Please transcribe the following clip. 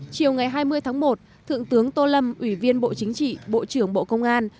chiều ngày hai mươi tháng một thượng tướng tô lâm ủy viên bộ chính trị bộ trưởng bộ công an